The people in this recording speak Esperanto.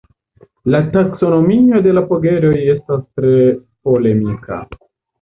La taksonomio de la pegedoj estas tre polemika.